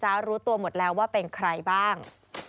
เจอกันนะจ๊ะรู้ตัวหมดแล้วว่าเป็นใครบ้าง